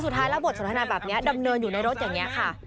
สุดท้ายแล้วบทสนทนาแบบนี้ดำเนินอยู่ในรถอย่างนี้ค่ะ